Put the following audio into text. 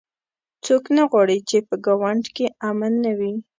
څوک نه غواړي چې په ګاونډ کې امن نه وي